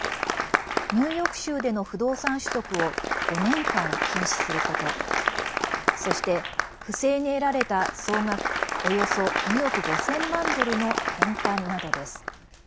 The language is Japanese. ニューヨーク州での不動産取得を５年間禁止することそして不正に得られた総額およそ２億５０００万ドルの返還などです。